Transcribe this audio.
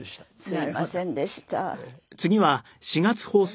すいませんでした。